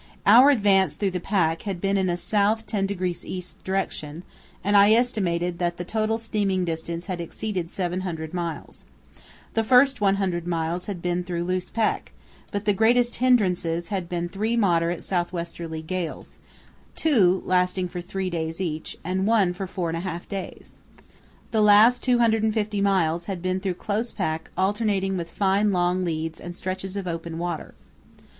Our advance through the pack had been in a S. 10° E. direction, and I estimated that the total steaming distance had exceeded 700 miles. The first 100 miles had been through loose pack, but the greatest hindrances had been three moderate south westerly gales, two lasting for three days each and one for four and a half days. The last 250 miles had been through close pack alternating with fine long leads and stretches of open water.